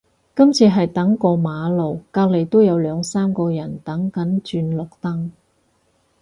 今次係等過馬路，隔離都有兩三個人等緊轉綠燈